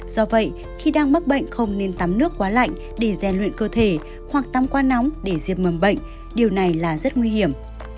do vậy khi đang mất bệnh không nên tắm nước quá lạnh để dè luyện cơ thể hoặc tắm quá nóng để diệp mầm bệnh điều này là rất nguy hiểm